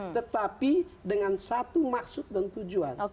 tetapi dengan satu maksud dan tujuan